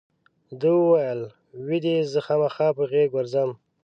ده وویل وی دې زه خامخا په غېږ ورځم.